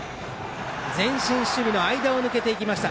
前進守備の間を抜けていきました。